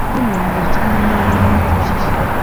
Ye nno ng’ekimbonyaabonya ntyo kiki?